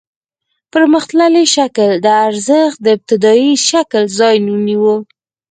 پرمختللي شکل د ارزښت د ابتدايي شکل ځای ونیو